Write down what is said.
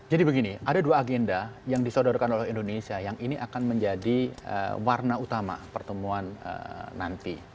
jadi begini ada dua agenda yang disodorkan oleh indonesia yang ini akan menjadi warna utama pertemuan nanti